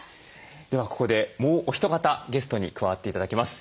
ではここでもうお一方ゲストに加わって頂きます。